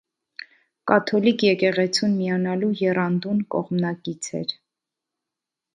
Կաթոլիկ եկեղեցուն միանալու եռանդուն կողմնակից էր։